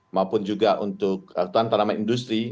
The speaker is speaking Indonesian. maupun juga untuk tuan tanaman industri